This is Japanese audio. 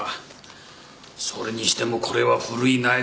それにしてもこれは古いナイフだな。